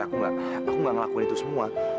aku gak ngelakuin itu semua